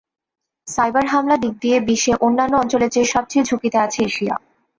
Cyber হামলা দিক দিয়ে বিশ্বে অন্যান্য অঞ্চলের চেয়ে সবচেয়ে ঝুঁকিতে আছে এশিয়া।